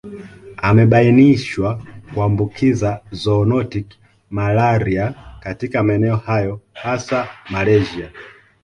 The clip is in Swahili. Amebainishwa kuambukiza zoonotic malaria katika maeneo hayo hasa Malaysia